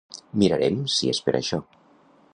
Mirarem si és per això.